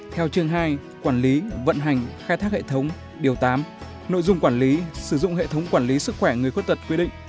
theo chương hai quản lý vận hành khai thác hệ thống điều tám nội dung quản lý sử dụng hệ thống quản lý sức khỏe người khuyết tật quy định